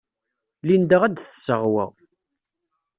Linda ad d-tseɣ wa.